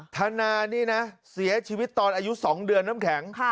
ธนานี่นะเสียชีวิตตอนอายุ๒เดือนน้ำแข็ง